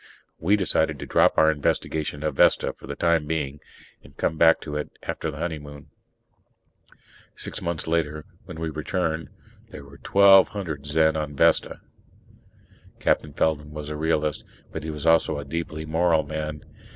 We decided to drop our investigation of Vesta for the time being, and come back to it after the honeymoon. Six months later, when we returned, there were twelve hundred Zen on Vesta! Captain Feldman was a realist but he was also a deeply moral man.